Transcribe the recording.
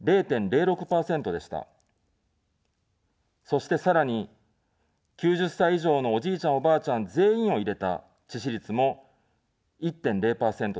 そして、さらに、９０歳以上のおじいちゃん、おばあちゃん全員を入れた致死率も１．０％でした。